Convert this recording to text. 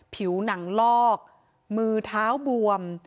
ผิวหนังลอกมือเท้าบวม